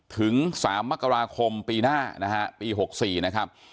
ถึง๓มกราคมปีหน้านะฮะปี๖๔นะครับ